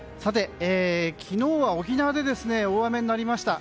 昨日は沖縄で大雨になりました。